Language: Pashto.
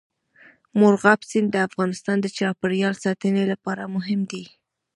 مورغاب سیند د افغانستان د چاپیریال ساتنې لپاره مهم دي.